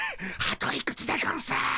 あといくつでゴンス？